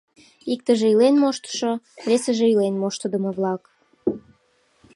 Иктыже илен моштышо, весыже илен моштыдымо-влак.